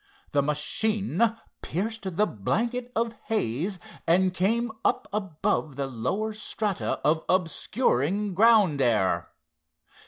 The machine pierced the blanket of haze and came up above the lower strata of obscuring ground air.